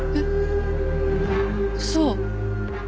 嘘。